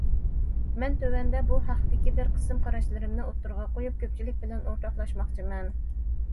مەن تۆۋەندە بۇ ھەقتىكى بىر قىسىم قاراشلىرىمنى ئوتتۇرىغا قويۇپ كۆپچىلىك بىلەن ئورتاقلاشماقچىمەن.